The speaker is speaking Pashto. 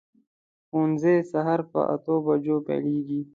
ښوونځی سهار په اتو بجو پیلېږي.